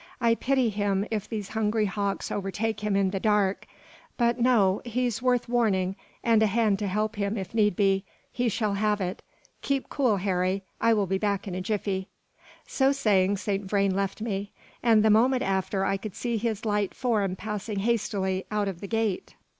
I pity him if these hungry hawks overtake him in the dark. But no; he's worth warning, and a hand to help him, if need be. He shall have it. Keep cool, Harry! I will be back in a jiffy." So saying, Saint Vrain left me; and the moment after I could see his light form passing hastily out of the gate.